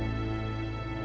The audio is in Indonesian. tentang apa yang terjadi